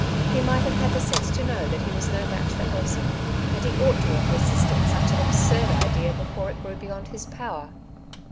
He might have had the sense to know that he was no match for Elsie, and he ought to have resisted such an absurd idea before it grew beyond his power.